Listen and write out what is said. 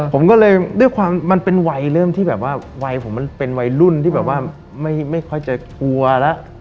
ผมก็เลยด้วยความมันเป็นวัยเริ่มที่แบบว่าวัยผมมันเป็นวัยรุ่นที่แบบว่าไม่ค่อยจะกลัวแล้ว